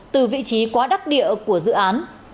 từ vị trí quá đắc địa của dự án